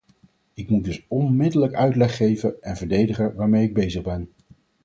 Ik moet dus onmiddellijk uitleg geven en verdedigen waarmee ik bezig ben.